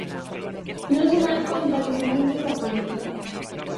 Non se dan conta que seguindo esa política.